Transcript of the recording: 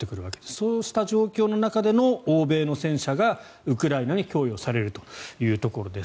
そうした状況の中での欧米の戦車がウクライナに供与されるというところです。